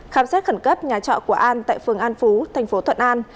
khám xét khẩn cấp nhà trọ của an tại phường an phú thành phố thuận an